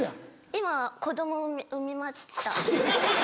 今子供産みました。